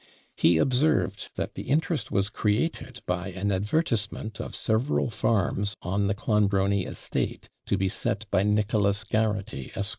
He observed that the interest was created by an advertisement of several farms on the Clonbrony estate, to be set by Nicholas Garraghty, Esq.